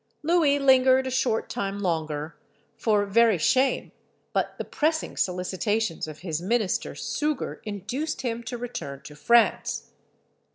Louis lingered a short time longer, for very shame, but the pressing solicitations of his minister Suger induced him to return to France.